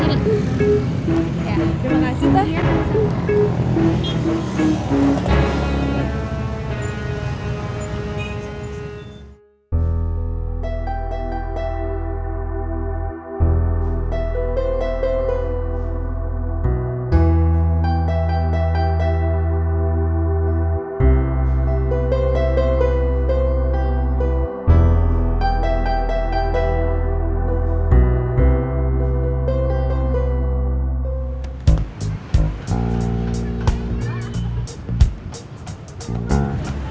terima kasih teh